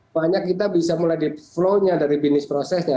banyak kita bisa mulai di flow nya dari bisnis prosesnya